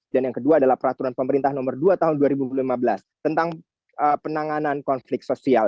dan yang kedua adalah peraturan pemerintah nomor dua tahun dua ribu lima belas tentang penanganan konflik sosial